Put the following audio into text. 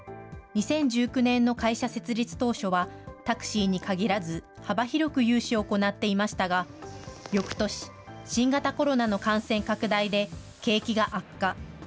２０１９年の会社設立当初は、タクシーにかぎらず、幅広く融資を行っていましたが、よくとし、新型コロナの感染拡大で、景気が悪化。